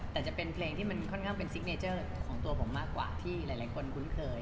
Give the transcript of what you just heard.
แต่จะเป็นเพลงที่มันค่อนข้างเป็นซิกเนเจอร์ของตัวผมมากกว่าที่หลายคนคุ้นเคย